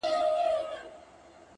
گراني بس څو ورځي لاصبر وكړه ـ